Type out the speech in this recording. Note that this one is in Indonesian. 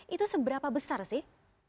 itu seberapa besar sih